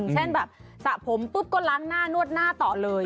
เช่นแบบสระผมปุ๊บก็ล้างหน้านวดหน้าต่อเลย